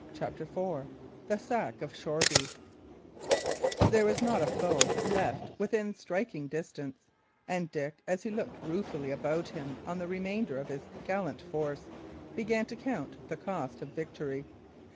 CHAPTER IV THE SACK OF SHOREBY There was not a foe left within striking distance; and Dick, as he looked ruefully about him on the remainder of his gallant force, began to count the cost of victory.